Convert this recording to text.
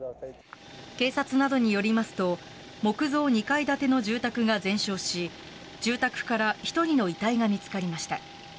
警察などによりますと木造２階建ての住宅が全焼し住宅から１人の遺体が見つかりました。